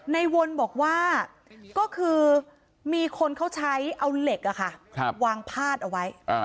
วนบอกว่าก็คือมีคนเขาใช้เอาเหล็กวางพาดเอาไว้